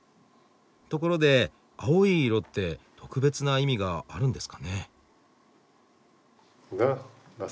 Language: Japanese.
ところで青い色って特別な意味があるんですかね？